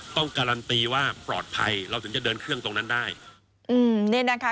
ต้องการันตีว่าปลอดภัยเราถึงจะเดินเครื่องตรงนั้นได้อืมนี่นะคะ